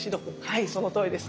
はいそのとおりです。